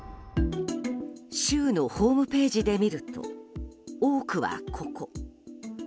州のホームページで見るとオークはここ。